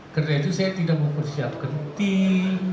karena itu saya tidak mau bersiapkan tim